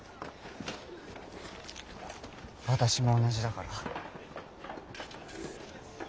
私も同じだから。